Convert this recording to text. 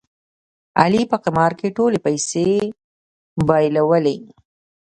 علي په قمار کې ټولې پیسې بایلولې.